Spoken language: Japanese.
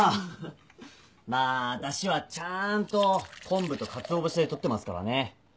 まあだしはちゃんとコンブとかつお節でとってますからね。